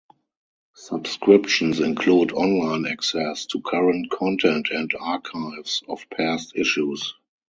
Subscriptions include online access to current content and archives of past issues.